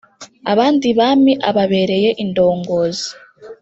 Abandi bami ababereye indongozi”.